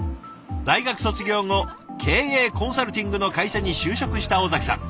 大学卒業後経営コンサルティングの会社に就職した尾崎さん。